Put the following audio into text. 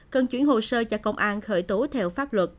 cần chuyển hồ sơ cho công an khởi tố theo pháp luật